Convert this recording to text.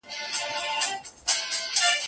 نه دوستان نه ګاونډیان مي د اجل په ورځ په ښه سول